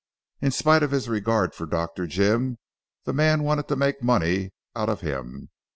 In spite of his regard for Dr. Jim, the man wanted to make money out of him.